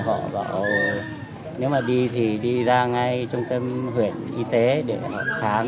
họ bảo nếu mà đi thì đi ra ngay trung tâm huyện y tế để khám